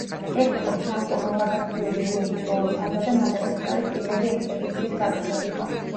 ეს იყო ფრანკო-მალაგასიური ომების ბოლო ფაზა და მადაგასკარის პირველი ექსპედიციის გაგრძელება.